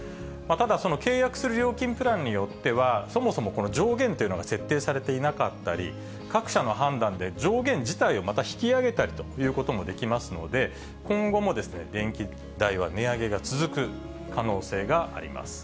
ただ、その契約する料金プランによっては、そもそもこの上限というのが設定されていなかったり、各社の判断で上限自体をまた引き上げたりということもできますので、今後も電気代は値上げが続く可能性があります。